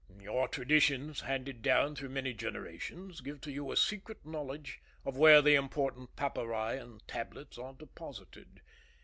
Your traditions, handed down through many generations, give to you a secret knowledge of where the important papyri and tablets are deposited.